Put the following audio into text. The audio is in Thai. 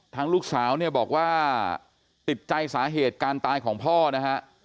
ลูกสาวเนี่ยบอกว่าติดใจสาเหตุการตายของพ่อนะฮะ